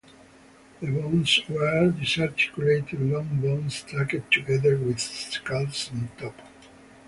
The bones were disarticulated, long bones stacked together with skulls on top.